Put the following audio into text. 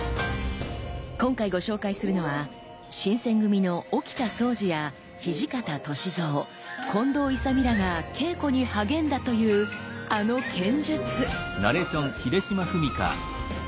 今回ご紹介するのは新選組の沖田総司や土方歳三近藤勇らが稽古に励んだというあの剣術！